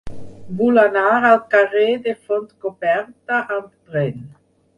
Vull anar al carrer de Fontcoberta amb tren.